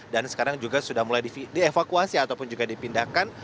dan sekarang juga sudah mulai dievakuasi ataupun juga dipindahkan